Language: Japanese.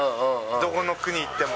どこの国行っても。